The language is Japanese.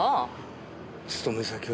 勤め先は？